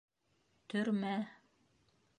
Төрмә...